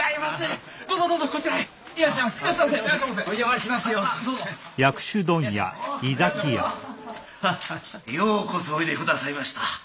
ようこそおいで下さいました。